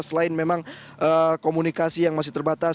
selain memang komunikasi yang masih terbatas